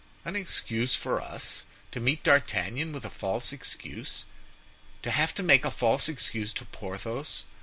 "An excuse for us! to meet D'Artagnan with a false excuse! to have to make a false excuse to Porthos!